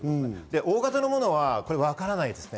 大型のものはわからないですね。